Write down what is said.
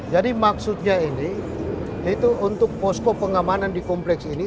jadi maksudnya ini itu untuk posko pengamanan di kompleks ini